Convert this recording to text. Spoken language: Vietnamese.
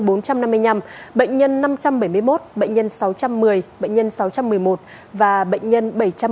bệnh nhân năm trăm bảy mươi một bệnh nhân sáu trăm một mươi bệnh nhân sáu trăm một mươi một và bệnh nhân bảy trăm bốn mươi